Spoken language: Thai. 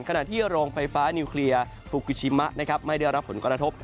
ขณะที่โรงไฟฟ้านิวเคลียร์ฟูกิชิมะไม่ได้รับผลกระทบ